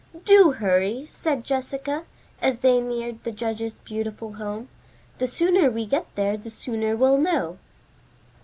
"Do hurry," said Jessica, as they neared the judge's beautiful home. "The sooner we get there the sooner we'll know."